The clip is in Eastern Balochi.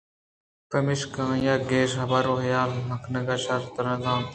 پمیشکہ آئیءَ گیش حبرءُحال نہ کنگ شر تِر زانت